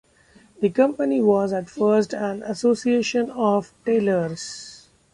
The Company was at first an association of tailors.